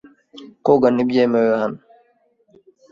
Koga ntibyemewe hano .